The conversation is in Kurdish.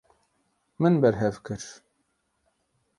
Min berhev kir.